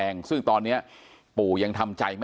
เป็นมีดปลายแหลมยาวประมาณ๑ฟุตนะฮะที่ใช้ก่อเหตุ